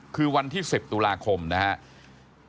คือวันที่๑๐ตุลาคมนะครับ